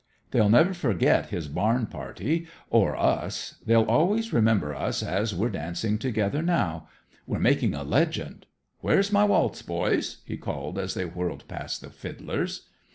They'll never forget his barn party, or us. They'll always remember us as we're dancing together now. We're making a legend. Where's my waltz, boys?" he called as they whirled past the fiddlers.